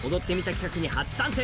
企画に初参戦